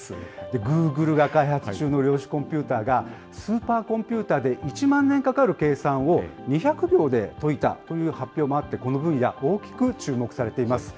グーグルが開発中の量子コンピューターが、スーパーコンピューターで１万年かかる計算を２００秒で解いたという発表もあって、この分野、大きく注目されています。